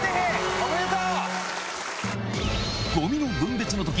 おめでとう！